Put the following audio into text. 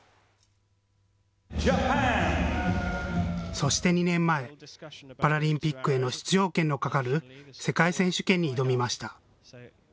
そして２年前、パラリンピックへの出場権のかかる世界選手権に挑みました。